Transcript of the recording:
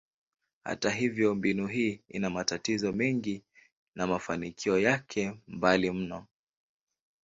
Hata hivyo, mbinu hii ina matatizo mengi na mafanikio yako mbali mno.